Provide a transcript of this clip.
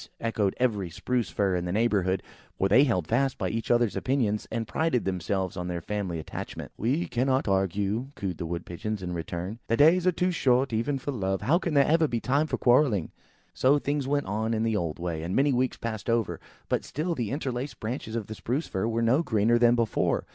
echoed every Spruce fir in the neighbourhood, for they held fast by each other's opinions, and prided themselves on their family attachment. "We cannot argue," cooed the Wood pigeons in return. "The days are too short, even for love; how can there ever be time for quarrelling?" So things went on in the old way, and many weeks passed over; but still the interlaced branches of the Spruce firs were no greener than before.